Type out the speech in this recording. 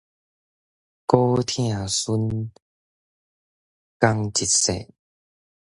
姑疼孫，仝一姓